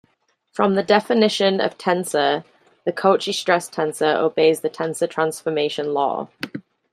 From the definition of tensor, the Cauchy stress tensor obeys the tensor transformation law.